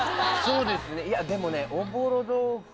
そうですねいやでもね。